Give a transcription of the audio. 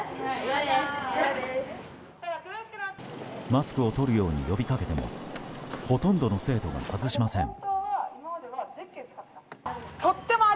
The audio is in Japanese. マスクを取るように呼びかけてもほとんどの生徒が外しません。